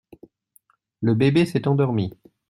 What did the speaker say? Le bébé s’est endormi.